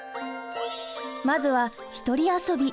まずは「ひとり遊び」。